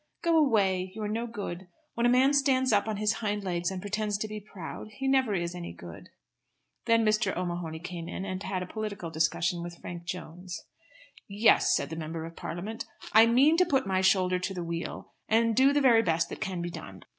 Go away. You are no good. When a man stands up on his hind legs and pretends to be proud he never is any good." Then Mr. O'Mahony came in and had a political discussion with Frank Jones. "Yes," said the Member of Parliament, "I mean to put my shoulder to the wheel, and do the very best that can be done.